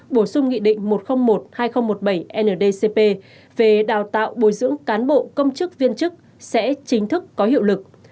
bổ sung nghị định một trăm linh một hai nghìn một mươi bảy ndcp về đào tạo bồi dưỡng cán bộ công chức viên chức sẽ chính thức có hiệu lực